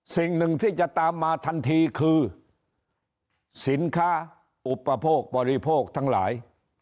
สิ่งหนึ่งที่จะตามมาทันทีคือสินค้าอุปโภคบริโภคทั้งหลาย